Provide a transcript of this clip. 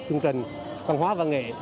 chương trình căn hóa và nghệ